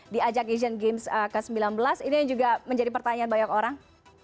di ajak sea games ke sembilan belas ini juga menjadi pertanyaan banyak orang